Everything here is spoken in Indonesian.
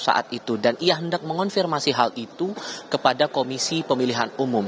saat itu dan ia hendak mengonfirmasi hal itu kepada komisi pemilihan umum